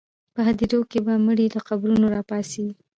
په هدیرو کې به مړي له قبرونو راپاڅي.